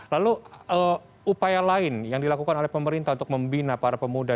lalu upaya lain yang dilakukan oleh pemerintah untuk membina para pemuda